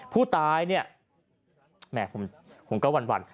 ผู้ตายเนี่ยแหมผมก็หวั่น